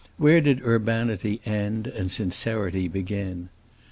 Where did urbanity end and sincerity begin?